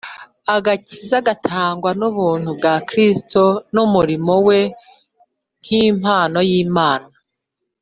Agakiza gatangwa n'ubuntu bwa Kristo n'umurimo we nk'impano y'Imana.